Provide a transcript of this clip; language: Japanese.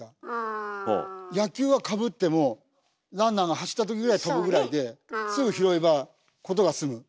野球はかぶってもランナーが走った時ぐらい飛ぶぐらいですぐ拾えば事が済む。